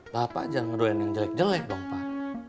bapak jangan ngeduain yang jelek jelek dong pak